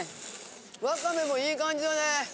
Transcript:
わかめもいい感じだね。